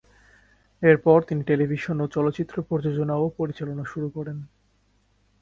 এরপর তিনি টেলিভিশন ও চলচ্চিত্র প্রযোজনা ও পরিচালনা শুরু করেন।